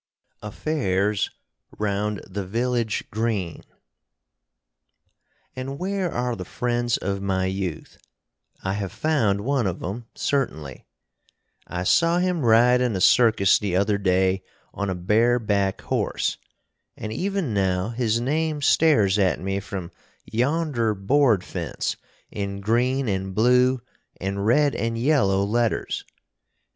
AFFAIRS ROUND THE VILLAGE GREEN And where are the friends of my youth? I have found one of 'em, certainly. I saw him ride in a circus the other day on a bareback horse, and even now his name stares at me from yonder board fence in green and blue and red and yellow letters.